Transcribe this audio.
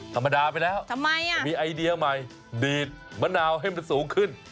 ธรรมดาไปแล้วทำไมมีไอเดียใหม่ดีดมะนาวให้มันสูงขึ้น